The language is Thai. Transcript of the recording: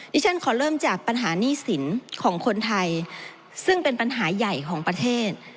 ที่ฉันขอเริ่มจากปัญหาหนี้สินของคนไทยซึ่งเป็นปัญหาใหญ่ของประเทศ